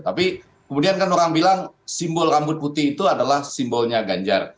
tapi kemudian kan orang bilang simbol rambut putih itu adalah simbolnya ganjar